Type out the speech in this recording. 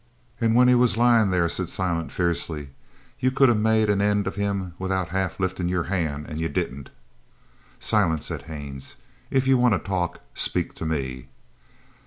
"An' when he was lyin' there," said Silent fiercely, "you could of made an' end of him without half liftin' your hand, an' you didn't." "Silent," said Haines, "if you want to talk, speak to me."